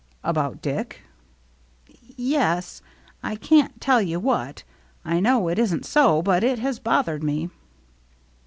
" About Dick ?" "Yes. I can't tell you what. I know it isn't so, but it has bothered me."